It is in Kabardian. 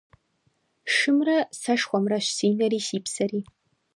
Шымрэ сэшхуэмрэщ си нэри си псэри.